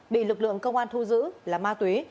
bị lực lượng công an thu giữ là ma túy